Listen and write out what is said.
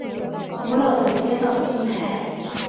古老的街道并排。